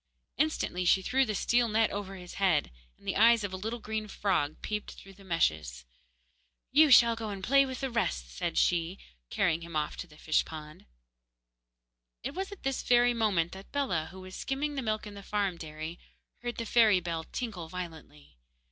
Instantly she threw the steel net over his head, and the eyes of a little green frog peeped through the meshes. 'You shall go and play with the rest,' she said, carrying him off to the fish pond. It was at this very moment that Bellah, who was skimming the milk in the farm dairy, heard the fairy bell tinkle violently.